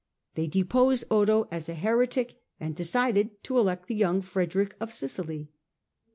They deposed Otho as a heretic and decided to elect the young Frederick of Sicily.